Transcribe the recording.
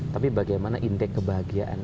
tapi bagaimana indeks kebahagiaan